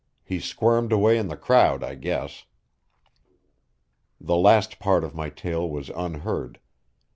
He squirmed away in the crowd, I guess." The last part of my tale was unheard.